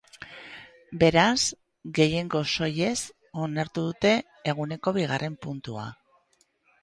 Beraz, gehiengo soilez onartu dute eguneko bigarren puntua.